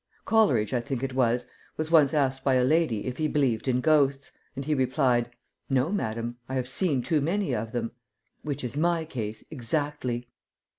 Coleridge, I think it was, was once asked by a lady if he believed in ghosts, and he replied, "No, madame; I have seen too many of them." Which is my case exactly.